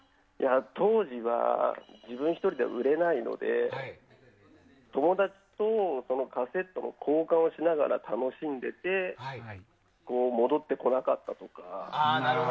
当時は自分にとっては売れないので友達とカセットの交換をしながら楽しんでて戻ってこなかったとか。